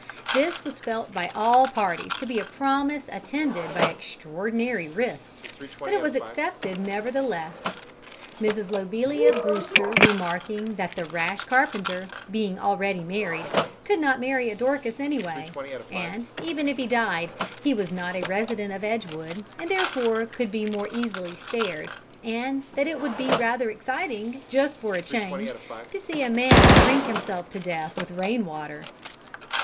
This was felt by all parties to be a promise attended by extraordinary risks, but it was accepted nevertheless, Miss Lobelia Brewster remarking that the rash carpenter, being already married, could not marry a Dorcas anyway, and even if he died, he was not a resident of Edgewood, and therefore could be more easily spared, and that it would be rather exciting, just for a change, to see a man drink himself to death with rain water.